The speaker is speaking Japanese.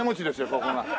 ここが。